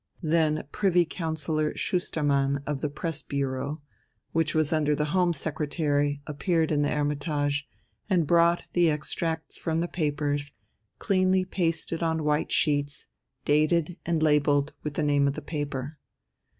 Then Privy Councillor Schustermann of the Press Bureau, which was under the Home Secretary, appeared in the "Hermitage," and brought the extracts from the papers, cleanly pasted on white sheets, dated and labelled with the name of the paper.